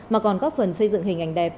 mà còn góp phần xây dựng hình ảnh đẹp